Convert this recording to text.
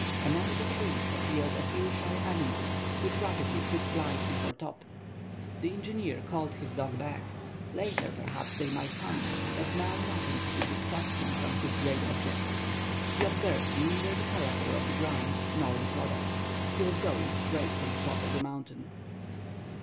Among the trees appeared a few shy animals, which rapidly took flight before Top. The engineer called his dog back; later, perhaps, they might hunt, but now nothing could distract him from his great object. He observed neither the character of the ground nor its products; he was going straight for the top of the mountain.